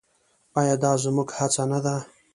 آیا دا زموږ هڅه نه ده؟